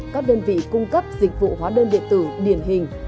các đơn vị cung cấp dịch vụ hóa đơn điện tử điển hình